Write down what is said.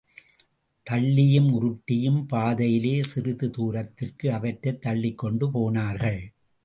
தள்ளியும் உருட்டியும் பாதையிலே சிறிது தூரத்திற்கு அவற்றைத் தள்ளிக் கொண்டு போனார்கள்.